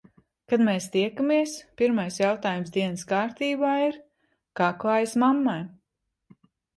Kad mēs tiekamies, pirmais jautājums dienas kārtībā ir - kā klājas mammai?